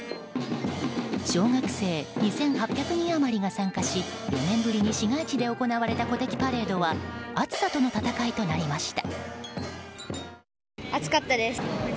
小学生２８００人余りが参加し４年ぶりに市街地で行われた鼓笛パレードは暑さとの戦いとなりました。